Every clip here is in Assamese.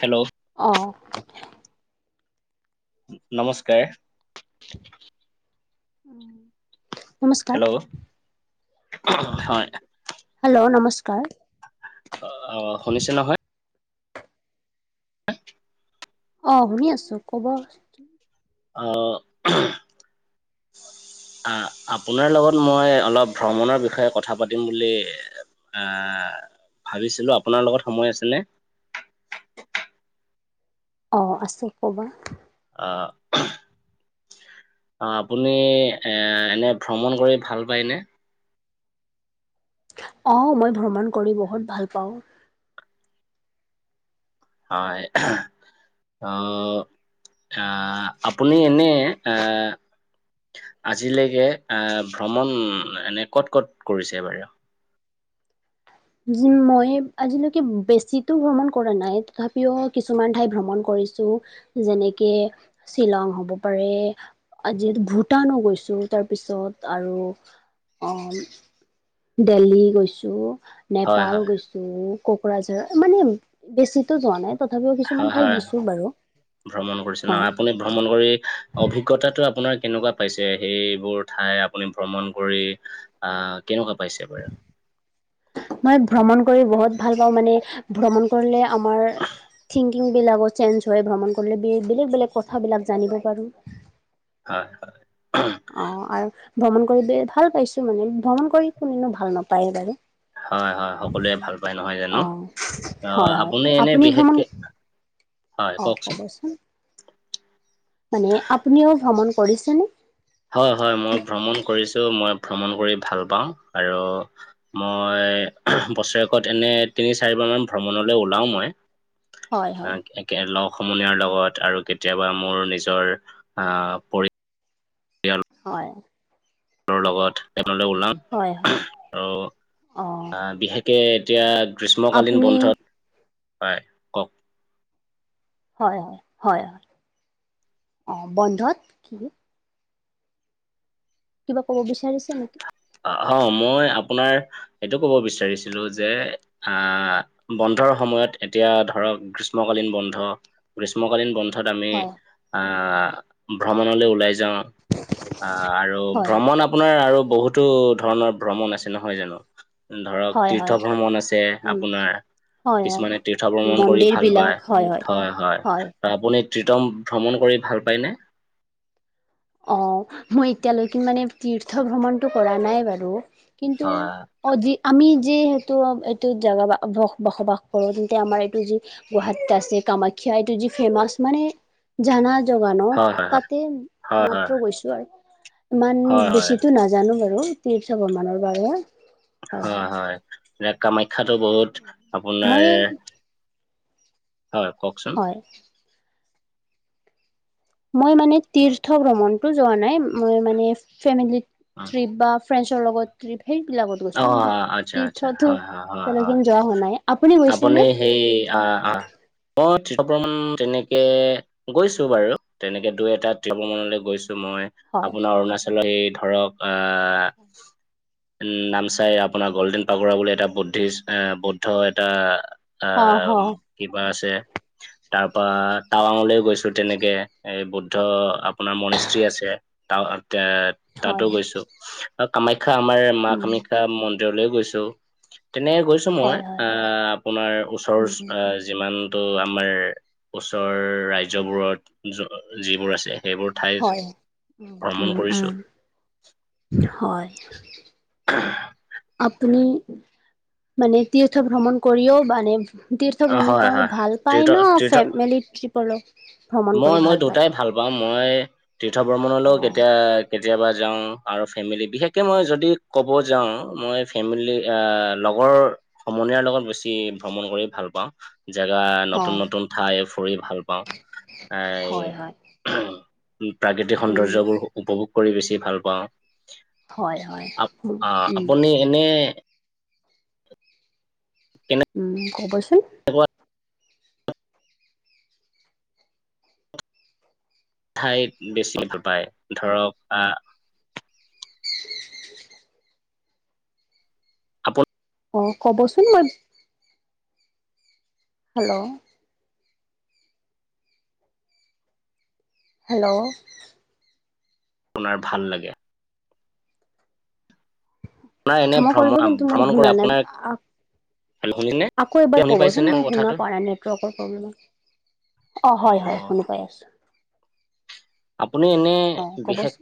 হেল্ল' অ', নমস্কাৰ নমস্কাৰ। হেল্ল' [inaudible] হয় হেল্ল' নমস্কাৰ অ', অ', শুনিছে নহয় অ', শুনি আছো কব অ', অ', পোনাৰ লগত মই অলপ ভ্ৰমণৰ বিষয়ে কথা পাতিম বুলি আহ, ভাবিছিলো আপোনাৰ লগত সময় আছেনে অ', আছে ক'বা অ', অ', আপুনি এ এনে ভ্ৰমণ কৰি ভাল পায়নে? আহ, মই ভ্ৰমণ কৰি বহুত ভাল পাওঁ হয় অ', পুনি এনেনে আ আজিলৈকে আহ ভ্ৰমণ এনে ক'ত ক'ত কৰিছে বাৰু মই আজিলৈকে বেছিতো ভ্ৰমণ কৰা নাই তথাপিও কিছুমান ঠাই ভ্ৰমণ কৰিছোঁ যেনেকে, শ্বিলং হব পাৰে আ যিহেতু ভূটানো গৈছো তাৰপিছত আৰু আহ দেল্হী গৈছো হয় নেপাল হয় গৈছো কোকৰাঝাৰ মানে বেছিতো যোৱা নাই তথাপিও হয় কিছুমান ঠাই হয় দিছো বাৰু ভ্ৰমণ কৰিছে [inaudible] ন হয় আপুনি ভ্ৰমণ কৰি অভিজ্ঞতাটো আপোনাৰ কেনেকুৱা পাইছে, সেইবোৰ ঠাই আপুনি ভ্ৰমণ কৰি অ', কেনেকুৱা পাইছে বাৰু মই ভ্ৰমণ কৰি বহুত ভাল পাওঁ মানে, ভ্ৰমণ কৰিলে আমাৰ থিং বিলাকো চেঞ্জ হয় ভ্ৰমণ কৰিলে বেলেগ বেলেগ কথাবিলাক জানিব পাৰোঁ হয় হয় অ', ৰু ভ্ৰমণ কৰি ব ভাল পাইছো মানে ভ্ৰমণ কৰি কোনেনো ভাল নাপায় বাৰু হয়, হয় সকলোৱে ভাল পায় নহয় জানো অঁ আহ হয় হয় আপুনি এনে বিশেষকে হয় অ', কওকচোন ক'বচোন মানে, আপুনিও ভ্ৰমণ কৰিছেনে? হয় হয় মই ভ্ৰমণ কৰিছো মই ভ্ৰমণ কৰি ভাল পাওঁ আৰু মই বছৰেকত এনে, তিনি চাৰিবাৰ মান ভ্ৰমণলৈ ওলাও মই হয় হয় একে লগ সমনীয়াৰ লগত আৰু কেতিয়াবা মোৰ নিজৰ আহ পৰি [unintelligible] হয় লগত [unintelligible] আৰু আহ হয় হয় অঁ বিশেষকে এতিয়া গ্ৰীষ্মকালীন আপুনি বন্ধত হয়। কওক হয়-হয়-হয়-হয় অ বন্ধত কি কিবা কব বিচাৰিছা নেকি? হ মই আপোনাৰ এইটো ক'ব বিচাৰিছিলোঁ যে আহ বন্ধৰ সময়ত এতিয়া ধৰক গ্ৰীষ্মকালীন বন্ধ। গ্ৰীষ্মকালীন বন্ধ অৰ্থত আমি হয় আহ ভ্ৰমণলৈ ওলাই যাওঁ। অ আৰু হয় ভ্ৰমণ আপোনাৰ আৰু বহুত ধৰণৰ ভ্ৰমণ আছে নহয় জানো, ধৰক হয় হয় তীৰ্থ ভ্ৰমণ আছে উম আপোনাৰ হয় হয় কিছুমানে তীৰ্থ ভ্ৰমণ কৰি ভাল পায় হয় হয়। আপুনি তিত্ৰম ভ্ৰমণ কৰি ভাল পায়নে? অ মই এতিয়ালৈকে মানে তীৰ্থ ভ্ৰমণটো কৰা নাই বাৰু। কিন্তু হয় অ যি আমি যি সেইটো এইটো জাগাবা বসবাস কৰো তেন্তে আমাৰ এইটো যি গুৱাহাটীত আছে কামাখ্যা, এইটো যি ফেমাচ মানে জানা জগা ন, হয় হয় তাতে হয়, হয়, মাত্ৰ গৈছোঁ আৰু ইমান হয়, হয়, বেছিতো নাজানো বাৰু তীৰ্থ ভ্ৰমণৰ বাবে। হয় হয় কামাখ্যাটো বহুত আপোনাৰ মই হয় কওকচোন। [inaudible] মই মানে তীৰ্থ ভ্ৰমণটো যোৱা নাই মই মানে ফেমিলি অ', ট্ৰিপ বা ফ্ৰেছৰ লগত? সেই বিলাকত গৈছো। কিন্তু অ', আচ্ছা, আচ্ছা, তীৰ্থতো হয়, হয়, হয়, হয়। যোৱা হোৱা নাই। আপুনি গৈছে নে? সেই আ আ মই তীৰ্থ ভ্ৰমণ তেনেকে গৈছো বাৰু তেনেকে দুই এটা তীৰ্থ ভ্ৰমণলৈ গৈছোঁ মই। হয় আপোনাৰ অৰুণাচলৰ এই ধৰক আহ উম নামচাই আপোনাৰ গল্ডেন পাগোৰা বুলি এটা বুদ্ধিষ্ট আহ বুদ্ধ এটা অ হ আহ কিবা আছে তাৰ পৰা টাৱাংলৈ গৈ তেনেকে এই বুদ্ধ আপোনাৰ মণস্ৰী আছে ত এ তাতো হয় গৈছো আৰু কামাখ্যা আমাৰ মা উম কামাখ্যা ম লৈ গৈছো। তেনেক গৈছো মই হয় হয় আহ আপোনাৰ ওচৰৰ উম যিমান তো আমাৰ ওচৰ ৰাজ্যবোৰত যিবোৰ আছে সেইবোৰ ঠাই হয় উম ভ্ৰমণ কৰিছো উম হয়। আপুনি মানে তীৰ্থ ভ্ৰমণ কৰিও মানে তীৰ্থ ভূমি হয় কৰ হয় ভাল পায় তীৰ্থ ন, তীৰ্থ ফেমিলি ট্ৰিপৰ ভ্ৰমণ কৰি ভাল পায়? বা মই তীৰ্থ ভ্ৰমণলৈ কেতিয়া অ কেতিয়াবা যাং আৰু ফেমিলি বিশেষকে মই যদি ক'ব যাং মই ফেমিলি এ লগৰ সমনীয়াৰ লগত বেছি ভ্ৰমণ কৰি ভাল পাওঁ জেগা অ নতুন নতুন ঠাই ফুৰি ভাল পাওঁ। এ হয় হয় প্ৰাকৃতিক উম সৌন্দৰ্যবোৰ উপভোগ কৰি বেছি ভাল পাওঁ। হয় হয় আ উম অ উম। আপুনি এনে উম ক'বচোন। [unintelligible] ঠাই বেছি ভাল পায় ধৰক আ [unintelligible] আপোন অ ক'বচোন মই হেল্ল'। হেল্ল'। আপোনাৰ ভাল লাগে। আপোনাৰ এনে ক্ষমা কৰিব ভ্ৰমণ কিন্তু মই ভ্ৰমণ কৰি শুনা নাই আপোনাৰ আ হেল্ল' [unintelligible] আকৌ এবাৰ শুনি ক'বচোন পাইছেনে মই মোৰ শুনা কথাটো? পোৱা নাই নেটৱৰ্কৰ প্ৰব্লেমত। অ' হয় হয় শুনা পাই আছোঁ। আপুনি এনে অ বিশেষ ক'বচোন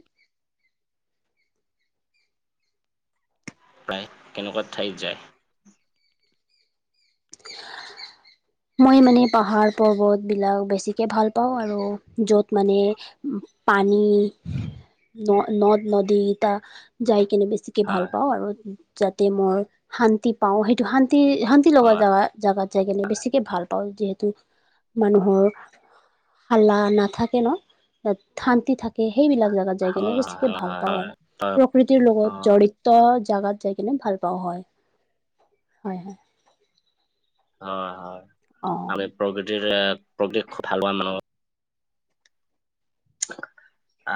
প্ৰায় কেনেকুৱা ঠাইত যায়। অ মই মানে পাহাৰ পৰ্বতবিলাক বেছিকে ভাল পাওঁ আৰু য'ত মানে পানী ন-নদ নদী ইতা যায় কিনে বেছি [unintelligible] ভাল হয়, পাওঁ আৰু যাতে মই শান্তি পাওঁ সেইটো শান্তি শান্তি লগা হয়, জাগাত যায় কিনে বেছিকে ভাল পাওঁ যিহেতু মানুহৰ হাল্লা না থাকে ন' তাত শান্তি থাক সেইবিলাক জাগাত যাই কিনে হয়, হয়, বেছিকে ভাল হয়, পাওঁ আৰু, হয়, প্ৰ প্ৰকৃতিৰ লগত হয়, জড়িত জাগাত যাই কিনে ভাল পাওঁ হয়, হয় হয়। হয় হয়। অ'। আমি প্ৰকৃতিৰ এ, [unintelligible] আ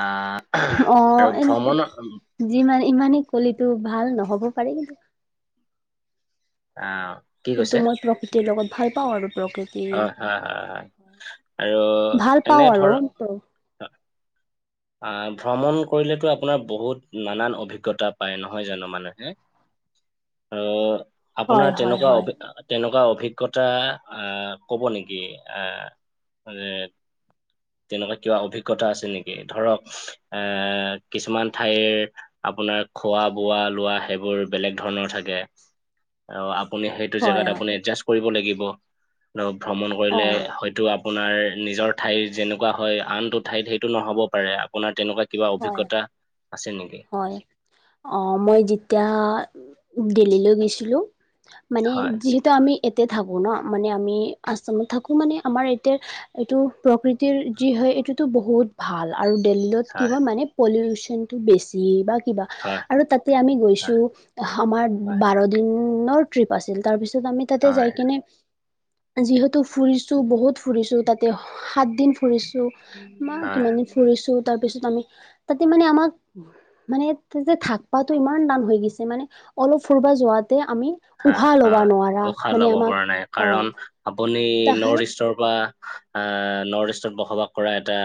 অ' এ, যিমান ইমানেই কলিতো ভাল নহ'ব পাৰে কিন্তু [unintelligible] কিন্তু মই প্ৰকৃতিৰ লগত ভাল পাওঁ আৰু প্ৰকৃত অ' হয় হয় হয়, আৰু ভাল পাওঁ এনে ধৰ [unintelligible] অ' ভ্ৰমণ কৰিলেতো আপোনাৰ বহুত নানান অভিজ্ঞতা পায় নহয় জানো মানুহে। অ' হয় আপোনাৰ হয় তেনেকুৱা হয় অভি তেনেকুৱা অভিজ্ঞতা অ' ক'ব নেকি অ' মানে তেনেকুৱা কিবা অভিজ্ঞতা আছে নেকি ধৰক এ, কিছুমান ঠাইৰ আপোনাৰ খোৱা বোৱা লোৱা সেইবোৰ বেলেগ ধৰণৰ থাকে। অ' আপুনি সেইটো হয় জেগাত হয় আপুনি এদজাষ্ট কৰিব লাগিব, ভ্ৰমণ অ কৰিলে হয়তো আপোনাৰ নিজৰ ঠাইৰ যেনেকুৱা হয় আনটো ঠাইত সেইটো নহ'ব পাৰে। আপোনাৰ তেনেকুৱা কিবা হয় অভিজ্ঞতা আছে নেকি। হয় অ' মই যেতিয়া দিল্লীলৈ গৈছিলোঁ, মানে হয় যি [unintelligible] আমি এতে থাকোঁ ন' মানে আমি আসামত থাকোঁ মানে আমাৰ এতিয়া এইটো প্ৰকৃতিৰ যি হয় এইটোতো বহুত ভাল আৰু দেল্লোত হয় কিহৰ মানে পলিলুচোনটো বেছি বা কিবা হয় আৰু তাতে আমি হয় গৈছোঁ আমাৰ হয় বাৰ দিনৰ ট্ৰিপ আছিল তাৰ পিছত আমি তাতে যাই হয় কিনে যিহেতু ফুৰিছোঁ বহুত ফুৰিছোঁ তাতে সাত দিন ফুৰিছোঁ, হয় [unintelligible] ফুৰিছোঁ তাৰপিছত আমি, তাতে মানে আমাক মানে তাতে থাকপাটো ইমান টান হৈ গৈছে মানে অলপ ফুৰবা যোৱাতে আমি হা উশাহ ল'বা হয় নোৱাৰা উশাহ মানে ল'ব আমাক পৰা নাই অ কাৰণ আপুনি তাহাৰ নৰ্থ ইষ্টৰ পৰা অ' নৰ্থ ইষ্টত বসবাস কৰা এটা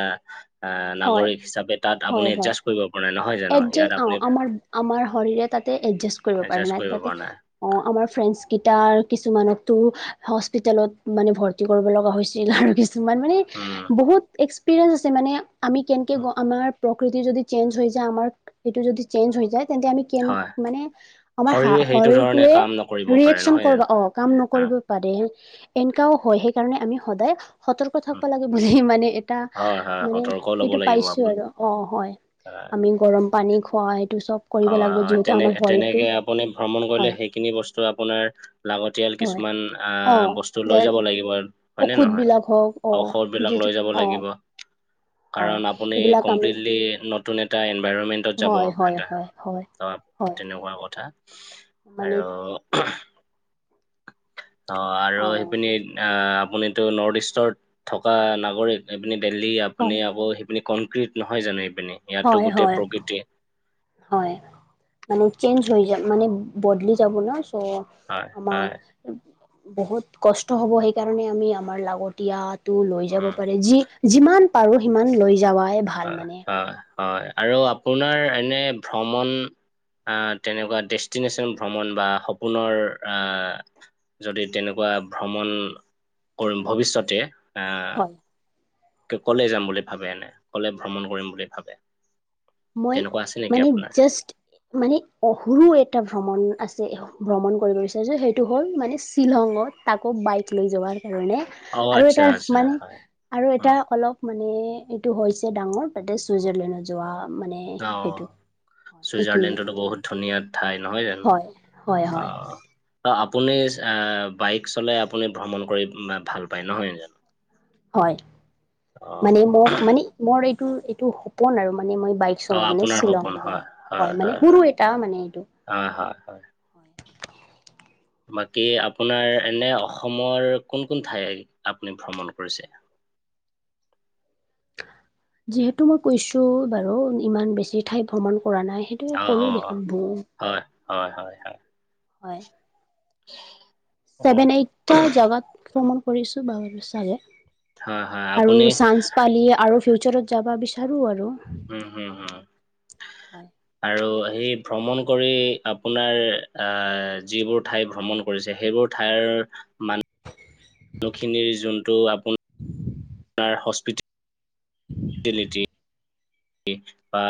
হয় নাগৰিক হিচাপে তাত আপুনি এজাষ্ট কৰিব পৰা নহয় জানো এদজা ইয়াত আপুনি অ' আমাৰ আমাৰ শৰীৰে তাতে এদজাষ্ট কৰিব পাৰে এডজাষ্ট নাই কৰিব তাতে। পৰা নাই অ' আমাৰ ফ্ৰেণ্ডচ কেইটাৰ কিছুমানকতো হস্পিতালত মানে ভৰ্তি কৰিব লগা হৈছিল আৰু কিছুমান মানে উম। বহুত এক্সপিৰিয়েন্স আছে মানে আমি কেনকে গ আমাৰ প্ৰকৃতি যদি চেঞ্জ হৈ যে আমাৰ এইটো যদি চেঞ্জ হৈ যায় তেন্তে আমি কে হয় মানে আমাৰ শা শৰীৰে সেইটো ধৰণে শৰীৰটোৱে কাম নকৰিব পাৰে ৰিয়েকচন নহয় কৰিব জানো অ' কাম হা নকৰিব। পাৰে এনেকাও হয় সেইকাৰণে আমি সদায় সতৰ্ক উম, থাকিব লাগে বুলি মানে এটা হয় হয় মানে সতৰ্ক ল'ব সেইটো লাগিব পাইছো আপুনি আৰু অ', হয়। হয় আমি গৰম পানী খোৱা এইটো চব কৰিব হয় লাগিব হয়। যিহেতু তেনে আমাৰ শৰীৰটো তেনেকে আপুনি ভ্ৰমণ কৰিলে হয় সেইখিনি বস্তু আপোনাৰ লাগতিয়াল হয় কিছুমান অ আহ, বস্তু লৈ দেন যাব লাগিব হয়নে ঔষধ নহয়। বিলাক হওক অ ঔষধবিলাক যিটো লৈ যাব অ লাগিব হয় কাৰণ আপুনি এইবিলাক আমি কমপ্লিটলি নতুন এটা এনভাইৰণমেন্টত যাব হয় হয় এটা। হয় হয় তো হয় তেনেকুৱা কথা মানে আৰু অ', আৰু সেইপিনি আহ আপুনি এইটো নৰ্থ ইষ্টত থকা নাগৰিক আপনি দেল্হী আপুনি হয় আকৌ মানে কনক্ৰিট নহয় জানো এইপিনে। হয় হয়। হয়। মানে চেঞ্জ হৈ যায় মানে বদলি যাব ন চ' হয় আমাক হয় বহুত কষ্ট হব সেইকাৰণে আমি আমাৰ লাগতিয়াত লৈ যাব উম পাৰে যি যিমান পাৰো সিমান লৈ যাৱাই ভা হয় হয় হয়। আৰু আপোনাৰ এনে ভ্ৰমণ আহ, তেনেকুৱা ডেষ্টিনেশচন ভ্ৰমণ বা সপোনৰ আহ যদি তেনেকুৱা ভ্ৰমণ কৰি ভৱিষ্যতে আহ হয়। কলে যাম বুলি ভাবে এনে, কলে ভ্ৰমণ কৰিম বুলি ভাবে? মই তেনেকুৱা আছে নেকি মানে আপোনাৰ জাষ্ট মানে, সৰু এটা ভ্ৰমণ আছে ভ্ৰমণ কৰিব বিচাৰিছোঁ সেইটো হ'ল মানে শ্বিলঙত। তাকো বাইক লৈ যোৱাৰ কাৰণে অ আৰু আচ্ছা এটা আচ্ছা মানে হয় আৰু অ এটা অলপ মানে, এইটো হৈছে ডাঙৰ তাতে চুইজাৰলেণ্ডত যোৱা। মানে অ সেইটো এইখিনিয়ে। চুইজাৰলেণ্ডতো বহুত ধুনীয়া ঠাই নহয় জানো হয় হয় অ'। ত' আপুনি বাইক চলাই আপুনি ভ্ৰমণ কৰি ভাল পায় নহয় জানো? হয়। অ মানে, মোক মানে মোৰ এইটো এইটো সপোন আৰু মানে মই বাইক অ চলাই কিনে আপোনাৰ শ্বিলং সপোন যা হয় হয় মানে সৰু হয় এটা মানে এইটো হয় হয় হয়। বাকী আপোনাৰ এনে অসমৰ কোন কোন ঠাই আপুনি ভ্ৰমণ কৰিছে? যিহেতু মই কৈছো বাৰু ইমান বেছি ঠাই ভ্ৰমণ কৰা নাই, সেইটে অ অ ক'লো অ দেখোন ব হয় হয় হয় হয়। হয়। [inaudible] ছেভেন এইথ জগত ভ্ৰমণ কৰিছো বাব চাগে। হয় হয় আৰু আপুনি চান্স পালি আৰু ফিউচাৰত যাব বিচাৰো আৰু। উম উম হুম। হয়। আৰু সেই ভ্ৰমণ কৰি আপোনাৰ আহ, যিবোৰ ঠাই ভ্ৰমণ কৰিছে সেইবোৰ ঠাইৰ মান মানুহখিনিৰ যোনটো আপোনোনাৰ [inaudible] বা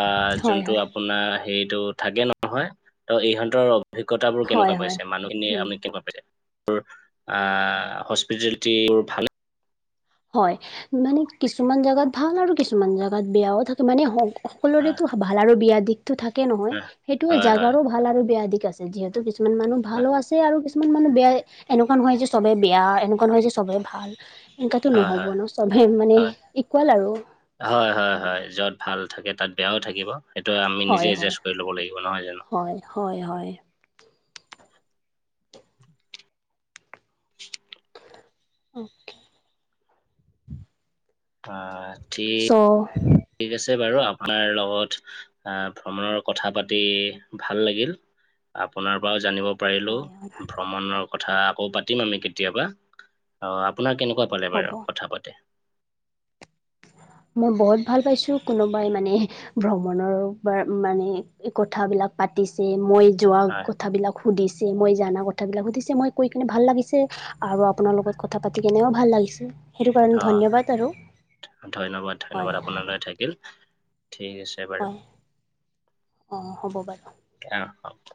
হয় যোনটো হয় আপোনাৰ হেৰিতটো থাকে নহয় ত' ইহতৰ অভিজ্ঞতাবোৰ হয় কেনেকুৱা হয় পাইছে? মানুহখিনিয় উম আপুনি কেনেকুৱা পাইছে? হস্পিটেলিটি বোৰ ভালেই। হয় মানে, কিছুমান জোগাত ভাল আৰু কিছুমান জেগাত বেয়াও থাকে। মানে হয় সকলোৰেতো ভাব ভাল আৰু বেয়া দিশতো থাকে নহয়। সেইটোৱে হয় হয় জাগাৰো ভাল আৰু বেয়া দিক আছে যিহেতু কিছুমান মানুহ ভালো আছে আৰু কিছুমান মানুহ বেয়া, এনেকুৱা নহয় যে চবেই বেয়া এনেকুৱা নহয় যে চবেই ভাল। এইটো হয় হয় নহ'ব ন' চবেই মানে ইকুৱেল আৰু। হয় হয় হয়, য'ত ভাল থাকে তাত বেয়াও থাকিব সেইটো আমি নিজে হয় হয় এডজাষ্ট কৰি ল'ব লাগিব নহয় জানো? হয় হয় হয়। [inaudible] অ'কে। অ' ঠিক অ'। ঠিক আছে বাৰু আপোনাৰ লগত ভ্ৰমণৰ কথা পাতি ভাল লাগিল। আপোনাৰ পৰাও জানিব পাৰিলোঁ। হয় হয় ভ্ৰমণ কথা আকৌ পাতিম আমি কেতিয়াবা। আৰু আপোনাৰ কেনেকুৱা পালে হ'ব বাৰু কথা পাতি? মই বহুত ভাল পাইছোঁ কোনোবাই মানে ভ্ৰমণৰপৰা মানে কথাবিলাক পাতিছে মই যোৱা হয় কথাবিলাক সুধিছে, মই জানা কথাবিলাক সুধিছে, মই কৈ কিনে ভাল লাগিছে। আৰু আপোনাৰ লগত কথা পাতি তেনেও ভাল লাগিছে সেইটো অ কাৰণে ধন্যবাদ আৰু। ধন্যবাদ ধন্যবাদ হয় আপোনালৈ থাকিল। ঠিক আছে। বাৰু হয়। অ' হ'ব বাৰু। অ' অ'কে।